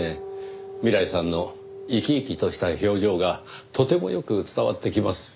未来さんの生き生きとした表情がとてもよく伝わってきます。